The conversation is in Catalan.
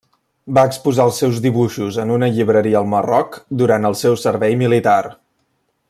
Va exposar els seus dibuixos en una llibreria al Marroc durant el seu servei militar.